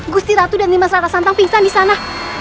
gusti ratu dan rimas rara santang pingsan disana